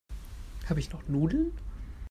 Habe ich noch Nudeln?